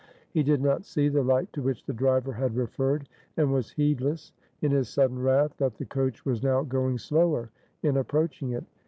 He did not see the light to which the driver had referred; and was heedless, in his sudden wrath, that the coach was now going slower in approaching it.